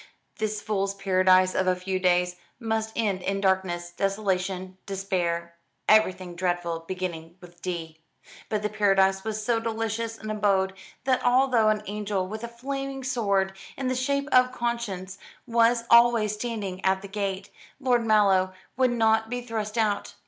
This fool's paradise of a few days must end in darkness, desolation, despair everything dreadful beginning with d; but the paradise was so delicious an abode that although an angel with a flaming sword, in the shape of conscience, was always standing at the gate, Lord Mallow would not be thrust out.